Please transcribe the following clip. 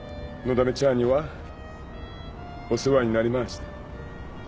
だめちゃんにはお世話になりました。